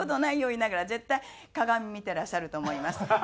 言いながら絶対鏡見ていらっしゃると思います。